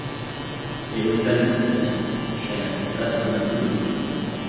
ئىلىم-پەن ئىززەت، شەرەپ ۋە ھۆرمەتنىڭ يولىدۇر.